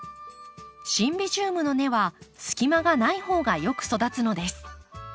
シンビジウムの根は隙間がない方がよく育つのです。